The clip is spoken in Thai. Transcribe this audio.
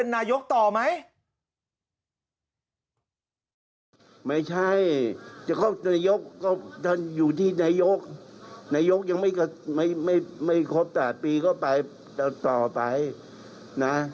นายกยังไม่ครบ๘ปีก็ไปต่อไปนะ